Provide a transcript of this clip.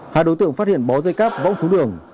hai đối tượng phát hiện bó dây cáp võng xuống đường